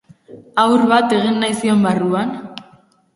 Haur bat egin nahi zion barruan?